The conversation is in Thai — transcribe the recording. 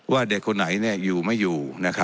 เด็กคนไหนอยู่ไม่อยู่